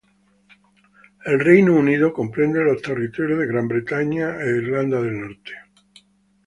El Reino Unido comprende los territorios de Gran Bretaña e Irlanda del Norte.